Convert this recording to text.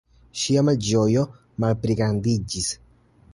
Ŝia malĝojo malpligrandiĝis.